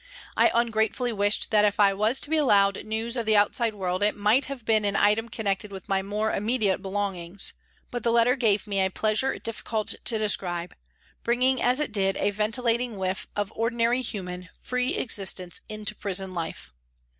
I ungratefully wished that if I was to be allowed news of the outside world it might have been an item connected with my more immediate belongings. But the letter gave me a pleasure difficult to describe, bringing, as it did, a ventilating whiff of ordinary human, free existence into prison life.